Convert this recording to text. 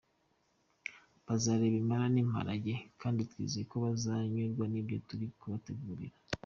Bazareba impala n’imparage kandi twizeye ko bazanyurwa n’ibyo turi kubategurira.